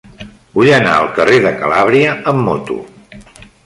Vull anar al carrer de Calàbria amb moto.